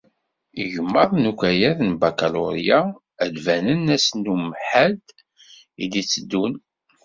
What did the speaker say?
Igmaḍ n ukayad n bakalurya ad d-banen ass n umhad i d-itteddun.